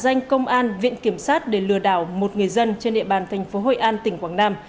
danh công an viện kiểm sát để lừa đảo một người dân trên địa bàn thành phố hội an tỉnh quảng nam